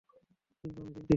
কিন্তু আমি চিন্তিত।